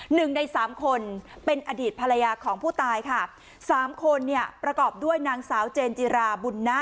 หนึ่งในสามคนเป็นอดีตภรรยาของผู้ตายค่ะสามคนเนี่ยประกอบด้วยนางสาวเจนจิราบุญนะ